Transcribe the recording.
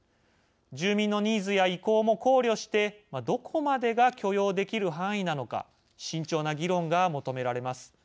住民のニーズや意向も考慮してどこまでが許容できる範囲なのか慎重な議論が求められます。